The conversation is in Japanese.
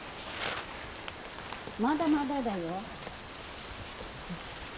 まだまだだよ。